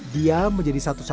dia menjadi satu sumber